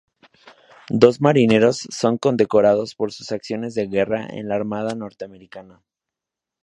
Dos marineros son condecorados por sus acciones de guerra en la Armada norteamericana.